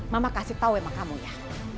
mama kasih tau emang kamu ya